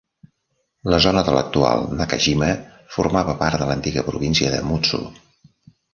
La zona de l'actual Nakajima formava part de l'antiga província de Mutsu.